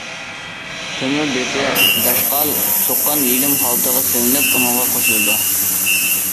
تۆمۈر دېتى، داشقال، سوققان يېلىم خالتىغا سېلىنىپ ئۇنىڭغا قوشۇلىدۇ.